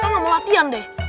kamu gak mau latihan deh